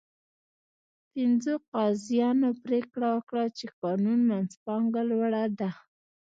پنځو قاضیانو پرېکړه وکړه چې قانون منځپانګه لوړه ده.